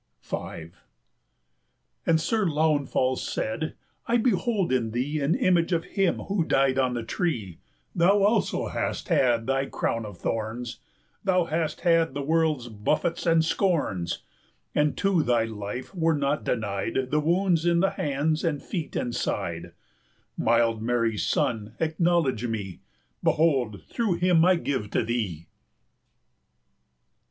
V. And Sir Launfal said, "I behold in thee 280 An image of Him who died on the tree; Thou also hast had thy crown of thorns, Thou also hast had the world's buffets and scorns, And to thy life were not denied The wounds in the hands and feet and side; 285 Mild Mary's Son, acknowledge me; Behold, through him, I give to Thee!"